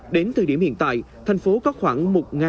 đến thời điểm hiện tại thành phố có khoảng